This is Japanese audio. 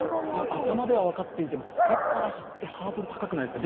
頭で分かっていても、付けっぱなしってハードル高くないですか。